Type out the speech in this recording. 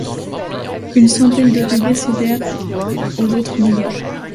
Une centaine de rivets cédèrent, entre autres dégâts.